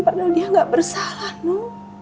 padahal dia gak bersalah nu